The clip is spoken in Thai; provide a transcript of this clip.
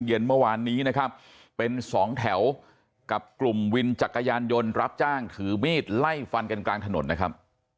เย็นเมื่อวานนี้นะครับเป็นสองแถวกับกลุ่มวินจักรยานยนต์รับจ้างถือมีดไล่ฟันกันกลางถนนนะครับ